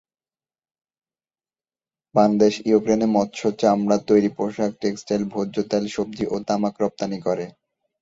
বাংলাদেশ ইউক্রেনে মৎস্য, চামড়া, তৈরি পোশাক, টেক্সটাইল, ভোজ্য তেল, সবজি, ওষুধ ও তামাক রপ্তানি করে।